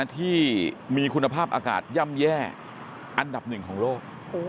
ที่มีคุณภาพอากาศย่ำแย่อันดับหนึ่งของโลก